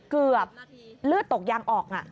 เกือบเลือดตกยังออก